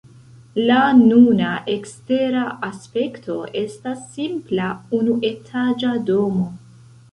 La nuna ekstera aspekto estas simpla unuetaĝa domo.